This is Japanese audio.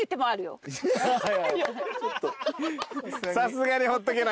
さすがにほっとけない。